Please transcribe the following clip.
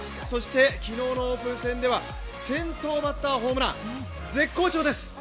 そして昨日のオープン戦では先頭バッターホームラン絶好調です。